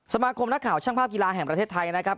สมาคมนักข่าวช่างภาพกีฬาแห่งประเทศไทยนะครับ